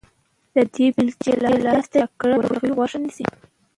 د دې بېلچې لاستي چاک کړی، د ورغوي غوښه نيسي.